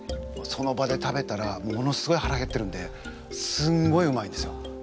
その場で食べたらものすごいはらへってるんですごいうまいんですよ。